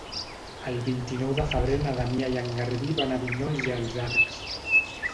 El vint-i-nou de febrer na Damià i en Garbí van a Vinyols i els Arcs.